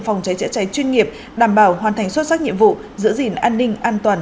phòng cháy chữa cháy chuyên nghiệp đảm bảo hoàn thành xuất sắc nhiệm vụ giữ gìn an ninh an toàn